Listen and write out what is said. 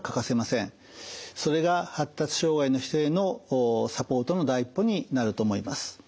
それが発達障害の人へのサポートの第一歩になると思います。